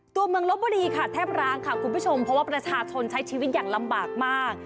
ตัวเมืองลบบุรีค่ะแทบร้างค่ะคุณผู้ชมเพราะว่าประชาชนใช้ชีวิตอย่างลำบากมาก